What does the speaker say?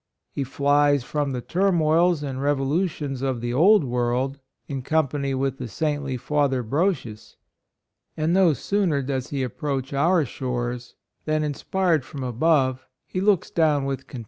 He flies from the turmoils and revolu tions of the Old World, in company with the saintly Father Brosius ; and no sooner does he approach our shores, than inspired from above, he looks down with con TRAVELS, CONVERSION.